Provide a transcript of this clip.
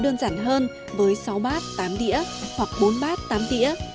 đơn giản hơn với sáu bát tám đĩa hoặc bốn bát tám đĩa